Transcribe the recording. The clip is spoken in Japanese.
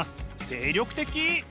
精力的！